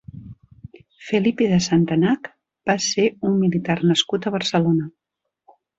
Felipe de Santenach va ser un militar nascut a Barcelona.